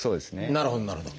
なるほどなるほど。